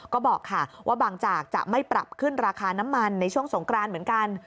ก็บอกค่ะว่าบางจากจะไม่ปรับขึ้นราคาน้ำมันในช่วงสงกรานเหมือนกัน